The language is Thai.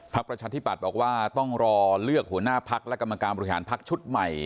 ภักดิ์ประชาธิปัตย์บอกว่าต้องรอเลือกหัวหน้าภักดิ์และกำลังการบริหารภักดิ์ชุดใหม่